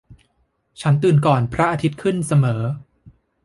ฉันตื่นก่อนพระอาทิตย์ขึ้นเสมอ